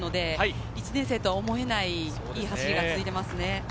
１年生とは思えない、いい走りが続いてますね。